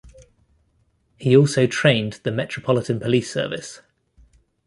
He also trained the Metropolitan Police Service.